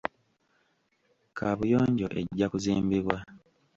Kaabuyonjo ejja kuzimbibwa.